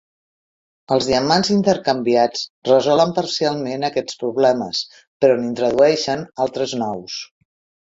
Els diamants intercanviats resolen parcialment aquests problemes, però n'introdueixen altres nous.